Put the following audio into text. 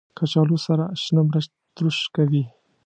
کچالو سره شنه مرچ تروش کوي